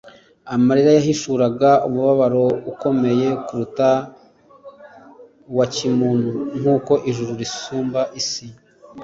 Amarira ye yahishuraga umubabaro ukomeye kuruta uwa kimuntu nk'uko ijuru risumba isi.